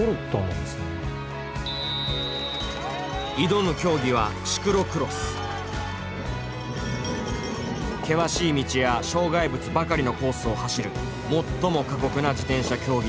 挑む競技は険しい道や障害物ばかりのコースを走る最も過酷な自転車競技と呼ばれています。